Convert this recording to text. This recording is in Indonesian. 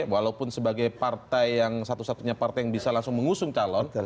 walaupun sebagai partai yang satu satunya partai yang bisa langsung mengusung calon